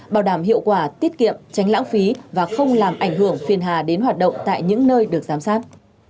bảo đảm hiệu quả tiết kiệm tránh lãng phí và không làm ảnh hưởng phiên hà đến hoạt động tại những nơi được giám sát